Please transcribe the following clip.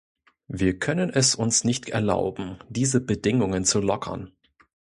Wir können es uns nicht erlauben, diese Bedingungen zu lockern.